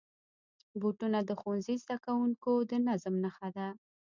بوټونه د ښوونځي زدهکوونکو د نظم نښه ده.